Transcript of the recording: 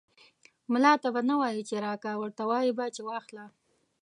ملا ته به نه وايي چې راکه ، ورته وايې به چې واخله.